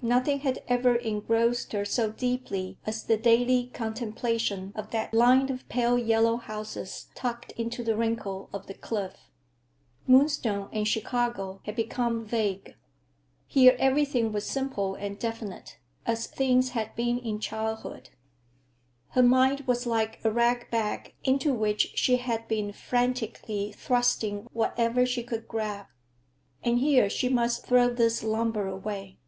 Nothing had ever engrossed her so deeply as the daily contemplation of that line of pale yellow houses tucked into the wrinkle of the cliff. Moonstone and Chicago had become vague. Here everything was simple and definite, as things had been in childhood. Her mind was like a ragbag into which she had been frantically thrusting whatever she could grab. And here she must throw this lumber away.